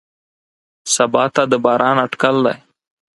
سبا ته د باران اټکل دی.